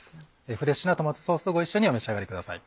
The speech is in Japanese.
フレッシュなトマトソースとご一緒にお召し上がりください。